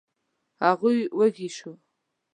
هغوی وږي شوو.